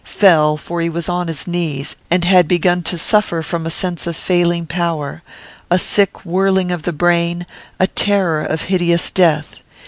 Fell, for he was on his knees, and had begun to suffer from a sense of failing power, a sick whirling of the brain, a terror of hideous death.